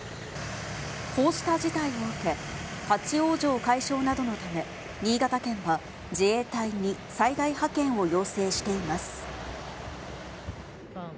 こうした事態を受け、立往生解消などのため、新潟県は自衛隊に災害派遣を要請しています。